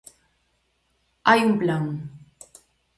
¡Hai un plan!